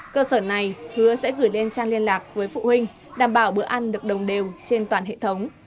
cơ sở này hứa sẽ gửi lên trang liên lạc với phụ huynh đảm bảo bữa ăn được đồng đều trên toàn hệ thống